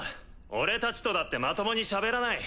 俺たちとだってまともにしゃべらない。